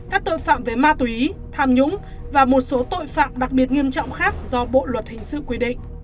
các tội phạm về ma túy tham nhũng và một số tội phạm đặc biệt nghiêm trọng khác do bộ luật hình sự quy định